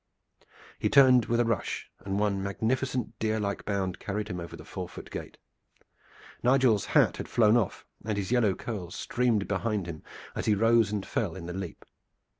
He turned with a rush, and one magnificent deer like bound carried him over the four foot gate. Nigel's hat had flown off, and his yellow curls streamed behind him as he rose and fell in the leap.